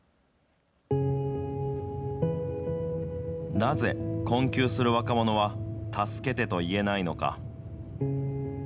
なぜ、困窮する若者は助けてと言えないのか。